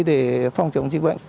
để phòng chống dịch bệnh